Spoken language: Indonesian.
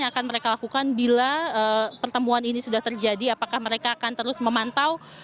yang akan mereka lakukan bila pertemuan ini sudah terjadi apakah mereka akan terus memantau